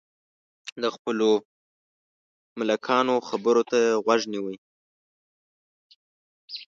د خپلو ملکانو خبرو ته یې غوږ نیوی.